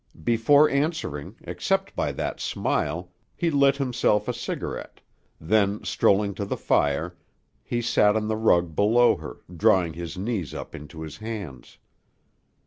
Before answering, except by that smile, he lit himself a cigarette; then, strolling to the fire, he sat on the rug below her, drawing his knees up into his hands.